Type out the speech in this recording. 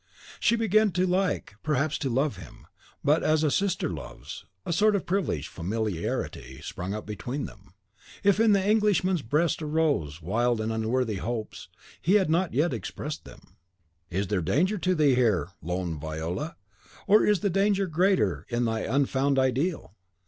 She began to like, perhaps to love him, but as a sister loves; a sort of privileged familiarity sprung up between them. If in the Englishman's breast arose wild and unworthy hopes, he had not yet expressed them. Is there danger to thee here, lone Viola, or is the danger greater in thy unfound ideal?